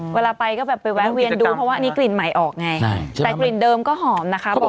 เวลาไปก็แบบไปแวะเวียนดูเพราะว่าอันนี้กลิ่นใหม่ออกไงแต่กลิ่นเดิมก็หอมนะคะ